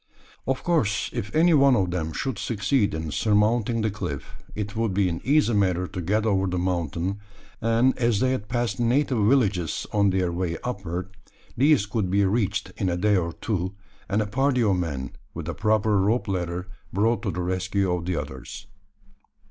Of course, if any one of them should succeed in surmounting the cliff, it would be an easy matter to get over the mountain; and as they had passed native villages on their way upward, these could be reached in a day or two, and a party of men, with a proper rope ladder, brought to the rescue of the others.